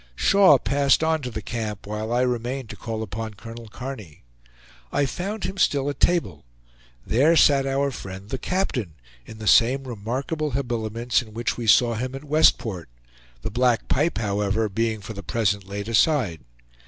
Shaw passed on to the camp, while I remained to call upon Colonel Kearny. I found him still at table. There sat our friend the captain, in the same remarkable habiliments in which we saw him at Westport; the black pipe, however, being for the present laid aside.